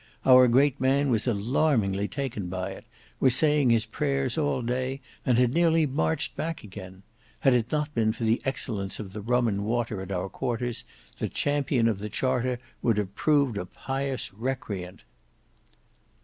Our great man was alarmingly taken by it, was saying his prayers all day and had nearly marched back again: had it not been for the excellence of the rum and water at our quarters, the champion of the Charter would have proved a pious recreant."